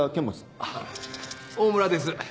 大村です。